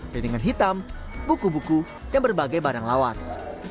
delingan hitam buku buku dan berbagai barang lawas